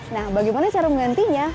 nah bagaimana cara menggantinya